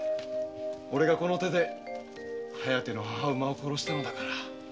おれがこの手で「疾風」の母馬を殺したのだから。